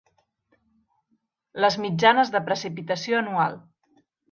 Les mitjanes de precipitació anual.